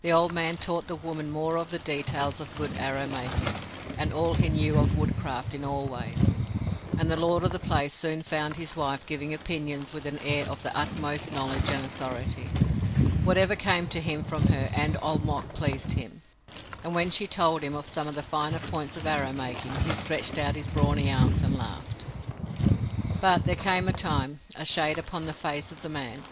The old man taught the woman more of the details of good arrow making and all he knew of woodcraft in all ways, and the lord of the place soon found his wife giving opinions with an air of the utmost knowledge and authority. Whatever came to him from her and Old Mok pleased him, and when she told him of some of the finer points of arrow making he stretched out his brawny arms and laughed. But there came, in time, a shade upon the face of the man.